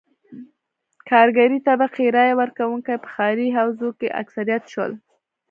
کارګرې طبقې رایه ورکوونکي په ښاري حوزو کې اکثریت شول.